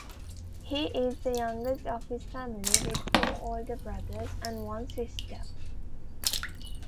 He is the youngest of his family, with four older brothers and one sister.